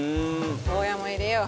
ゴーヤーも入れよう。